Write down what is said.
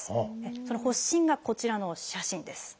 その発疹がこちらの写真です。